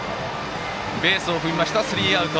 ベースを踏みましたスリーアウト！